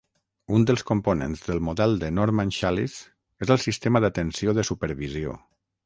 Un dels components del model de Norman-Shallice és el sistema d'atenció de supervisió.